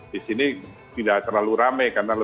di sini tidak terlalu rame